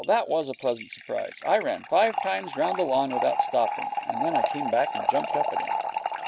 That was a pleasant surprise! I ran five times round the lawn without stopping, and then I came back and jumped up at him.